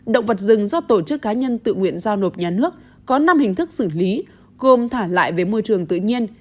động vật rừng do tổ chức cá nhân tự nguyện giao nộp nhà nước có năm hình thức xử lý gồm thả lại về môi trường tự nhiên